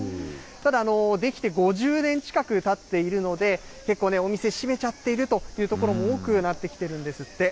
ただ、出来て５０年近くたっているので、結構ね、お店閉めちゃっているという所も多くなってきているんですって。